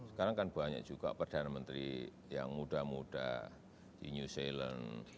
sekarang kan banyak juga perdana menteri yang muda muda di new zealand